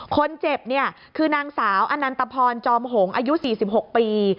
คนเจ็บเนี่ยคือนางสาวอนันตพรจอมหงอายุ๔๖ปี